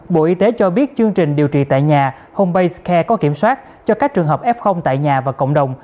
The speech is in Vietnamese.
bộ y tế cho biết chương trình điều trị tại nhà home scare có kiểm soát cho các trường hợp f tại nhà và cộng đồng